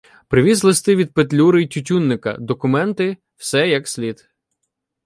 Привіз листи від Петлюри й Тютюнника, документи, все як слід.